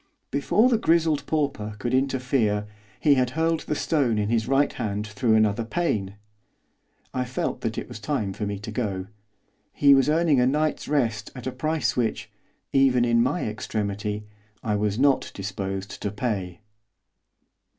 Before the grizzled pauper could interfere, he had hurled the stone in his right hand through another pane. I felt that it was time for me to go. He was earning a night's rest at a price which, even in my extremity, I was not disposed to pay.